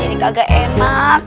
ini kagak enak